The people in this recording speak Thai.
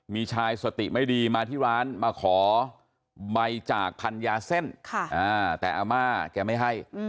มีชายสติไม่ดีมาที่ร้านมาขอใบจากพันยาเส้นแต่อาม่าแกไม่ให้